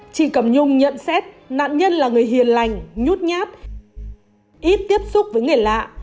chị cẩm nhung nhận xét nạn nhân là người hiền lành nhút nhát ít tiếp xúc với người lạ